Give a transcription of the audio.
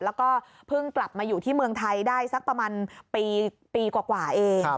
แล้วก็เพิ่งกลับมาอยู่ที่เมืองไทยได้สักประมาณปีกว่าเอง